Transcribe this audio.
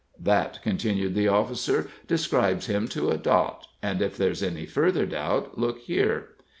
That," continued the officer, "describes him to a dot; and, if there's any further doubt, look here!"